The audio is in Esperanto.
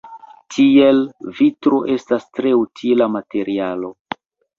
Tiel, vitro estas tre utila materialo.